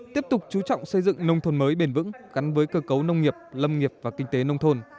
tiếp tục chú trọng xây dựng nông thôn mới bền vững gắn với cơ cấu nông nghiệp lâm nghiệp và kinh tế nông thôn